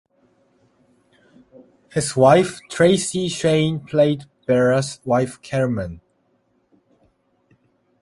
His wife Tracey Shayne played Berra's wife Carmen.